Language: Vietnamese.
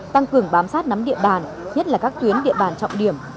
tăng cường bám sát nắm địa bàn nhất là các tuyến địa bàn trọng điểm